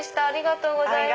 ありがとうございます。